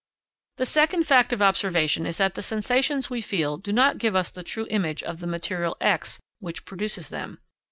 The second fact of observation is that the sensations we feel do not give us the true image of the material X which produces them.